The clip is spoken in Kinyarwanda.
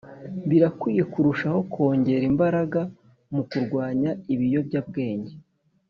Birakwiye kurushaho kongera imbaraga mu kurwanya ibiyobya bwenge